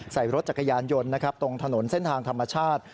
ใส่รถจักรยานยนต์นะครับตรงถนนเส้นทางธรรมชาติ